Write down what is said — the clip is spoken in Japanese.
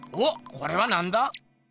これはなんだ？